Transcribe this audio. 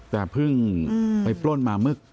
แต่เพิ่งไปปล้นมาเมื่อ